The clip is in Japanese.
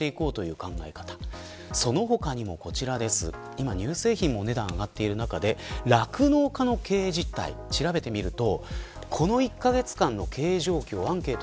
今、乳製品もお値段が上がっている中で酪農家の経営実態を調べてみてました。